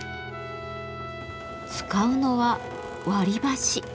使うのは割り箸。